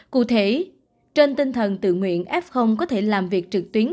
cụ thể trên tinh thần tự nguyện f có thể làm việc trực tuyến